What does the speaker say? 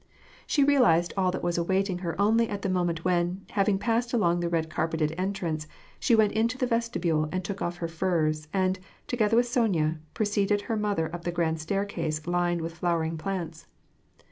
She real ized all that was awaiting her only at the moment when, hav ing passed along the red carpeted entrance, she went into the vestibule and took off her furs, and, together with Sonya, pre ceded her mother up the grand staircase lined witli flowering plants.